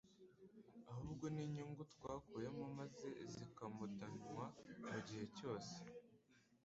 ahubwo n'inyungu twakuyemo maze zikamudanywa mu gihe cyose